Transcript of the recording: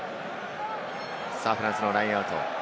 フランスのラインアウト。